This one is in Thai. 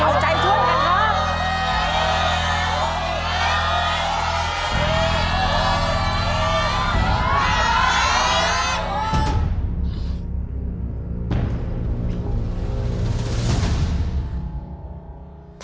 เก่าใจทุกคนครับ